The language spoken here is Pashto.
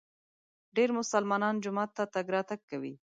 ډېر مسلمانان جومات ته تګ راتګ کوي.